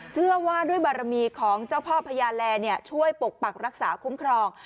เชื่อว่าด้วยบารมีของเจ้าพ่อพญาแลช่วยปกปักรักษาคุ้มครอง